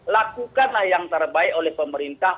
lakukanlah yang terbaik oleh pemerintah